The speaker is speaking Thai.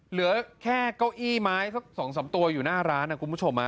เหลือแค่เก้าอี้ไม้สัก๒๓ตัวอยู่หน้าร้านนะคุณผู้ชม